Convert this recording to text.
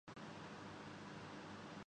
وہ وقت نہیں رہا۔